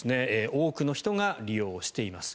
多くの人が利用しています。